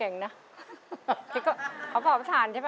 เรื่องงานก็หอบหอบสาหารใช่ป่ะ